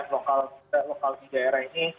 lokal lokal di daerah ini